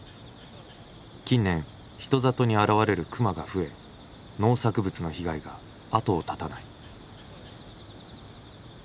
近年人里に現れる熊が増え農作物の被害が後を絶たない。